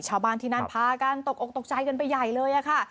ชาวบ้านที่นั่นพากันตกออกตกใจกันไปใหญ่เลยค่ะ